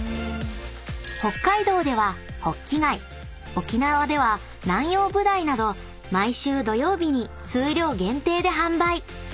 ［北海道ではほっき貝沖縄ではなんようぶだいなど毎週土曜日に数量限定で販売］